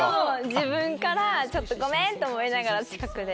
自分からごめん！と思いながら近くで。